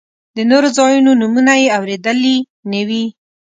د نورو ځایونو نومونه یې اورېدلي نه وي.